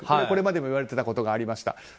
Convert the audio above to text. これまでもいわれていたことがありました。